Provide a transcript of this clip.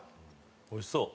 おいしそう。